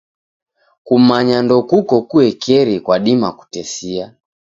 Kumanya ndokuko kuekeri kwadima kutesia.